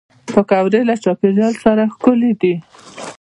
پکورې له چاپېریال سره ښکلي دي